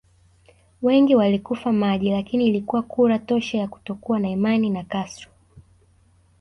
Wengi walikufa maji lakini ilikuwa kura tosha ya kutokuwa na imani na Castro